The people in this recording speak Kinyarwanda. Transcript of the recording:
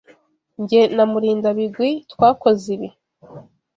Jye na Murindabigwi twakoze ibi.